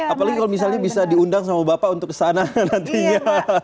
apalagi kalau misalnya bisa diundang sama bapak untuk kesana nantinya